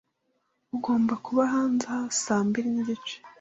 Ugomba kuba hanze aha saa mbiri nigice.